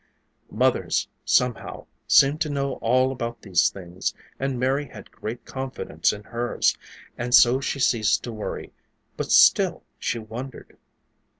Mothers, somehow, seem to know all about these things and Mary had great confidence in hers, and so she ceased to worry, but still she wondered.